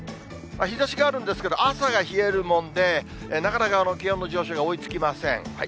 日ざしがあるんですけど、あさが冷えるもんで、なかなか気温の上昇が追いつきません。